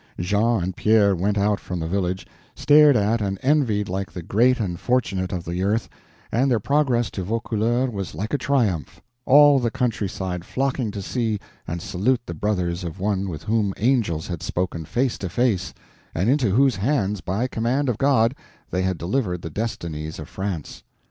Jean and Pierre went out from the village, stared at and envied like the great and fortunate of the earth, and their progress to Vaucouleurs was like a triumph, all the country side flocking to see and salute the brothers of one with whom angels had spoken face to face, and into whose hands by command of God they had delivered the destinies of France.